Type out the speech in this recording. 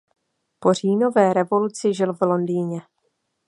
Po Říjnové revoluci žil v Londýně.